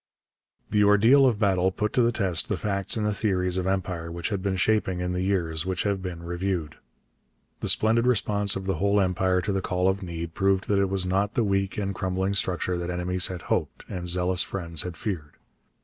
The ordeal of battle put to the test the facts and the theories of empire which had been shaping in the years which have been reviewed. The splendid response of the whole Empire to the call of need proved that it was not the weak and crumbling structure that enemies had hoped and zealous friends had feared.